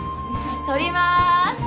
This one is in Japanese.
撮ります。